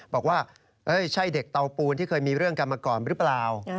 บอกว่าใช่เด็กเตาปูนที่เคยมีเรื่องกันมาก่อนหรือเปล่า